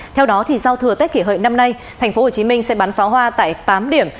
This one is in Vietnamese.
theo đó thì giao thừa tết kỷ hợi năm nay tp hcm sẽ bắn pháo hoa tại tám điểm